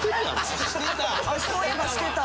そういえばしてた！